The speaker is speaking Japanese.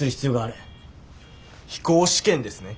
飛行試験ですね。